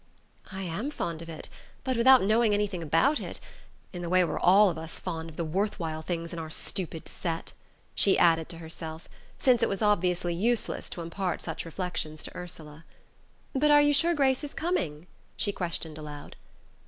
"I am fond of it; but without knowing anything about it in the way we're all of us fond of the worthwhile things in our stupid set," she added to herself since it was obviously useless to impart such reflections to Ursula. "But are you sure Grace is coming?" she questioned aloud.